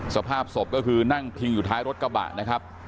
สภาพศพก็คือนั่งพิงอยู่ท้ายรถกระบะนะครับ